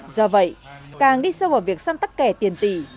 do vậy càng đi sâu vào việc săn tắc kẻ tiền tỷ